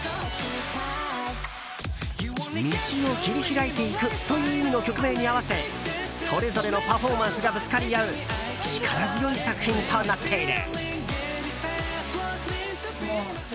道を切り開いていくという意味の曲名に合わせそれぞれのパフォーマンスがぶつかり合う力強い作品となっている。